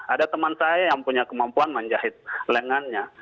ada teman saya yang punya kemampuan menjahit lengannya